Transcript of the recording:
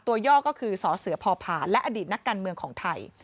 ตัวยอกก็คือศเสือพอผ่านและอดีตนักการเมืองของไทย